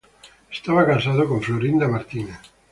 Estaba casado con Florinda Martínez.